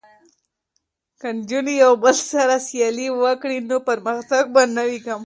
که نجونې یو بل سره سیالي وکړي نو پرمختګ به نه وي کم.